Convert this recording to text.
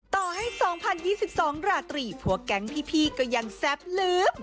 ต่อให้๒๐๒๒ราตรีพวกแก๊งพี่ก็ยังแซ่บลืม